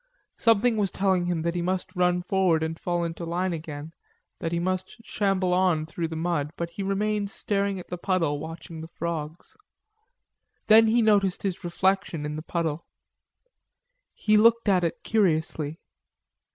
Something was telling him that he must run forward and fall into line again, that he must shamble on through the mud, but he remained staring at the puddle, watching the frogs. Then he noticed his reflection in the puddle. He looked at it curiously.